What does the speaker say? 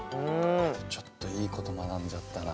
ちょっといいこと学んじゃったな。